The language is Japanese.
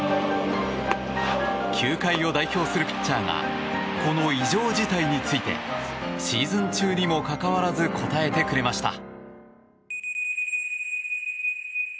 球界を代表するピッチャーがこの異常事態についてシーズン中にもかかわらず答えてくれました。